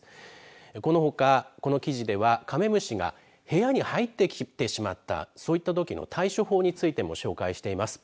このほかこの記事ではカメムシが部屋に入ってきてしまったそういったときの対処法についてもご紹介しています。